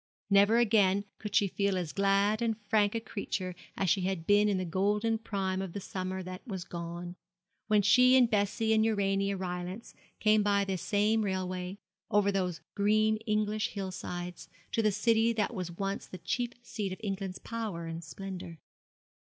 Never again could she feel as glad and frank a creature as she had been in the golden prime of the summer that was gone, when she and Bessie and Urania Rylance came by this same railway, over those green English hill sides, to the city that was once the chief seat of England's power and splendour.